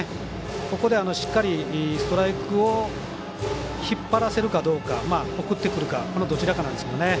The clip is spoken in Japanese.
ここで、しっかりストライクを引っ張らせるかどうか送ってくるかこのどちらかなんですよね。